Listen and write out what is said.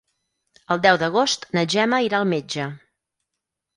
El deu d'agost na Gemma irà al metge.